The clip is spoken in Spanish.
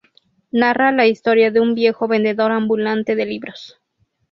Narra la historia de un viejo vendedor ambulante de libros.